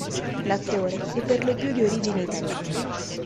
L'attore è per lo più di origine italiana.